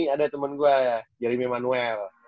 ada temen gua jeremy manuel